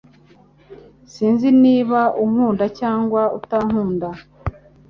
Sinzi niba unkunda cyangwa utankunda